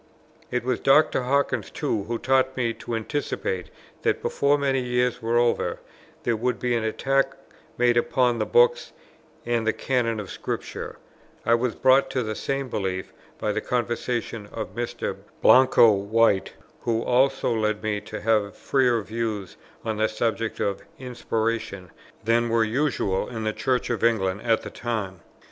It was Dr. Hawkins too who taught me to anticipate that, before many years were over, there would be an attack made upon the books and the canon of Scripture, I was brought to the same belief by the conversation of Mr. Blanco White, who also led me to have freer views on the subject of inspiration than were usual in the Church of England at the time.